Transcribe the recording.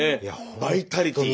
バイタリティー。